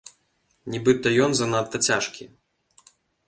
Нібыта ён занадта цяжкі.